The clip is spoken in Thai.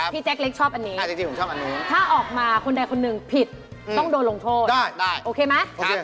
พี่แจ๊กเล็กชอบอันนี้ถ้าออกมาคนใดคนหนึ่งผิดต้องโดนโลงโทษโอเคไหมครับ